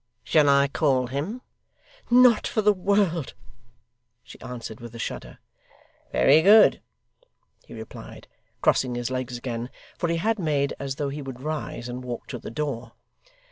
Shall I call him?' 'Not for the world,' she answered, with a shudder. 'Very good,' he replied, crossing his legs again, for he had made as though he would rise and walk to the door.